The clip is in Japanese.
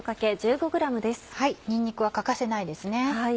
にんにくは欠かせないですね。